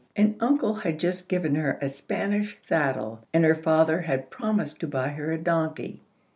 An uncle had just given her a Spanish saddle, and her father had promised to buy her a donkey.